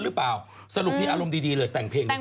เขาจำได้ง่ายดีอ่ะ